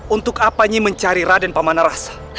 untuk apanya mencari raden pemalarasa